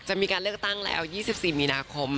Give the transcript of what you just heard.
จะมีการเลือกตั้งแล้ว๒๔มีนาคม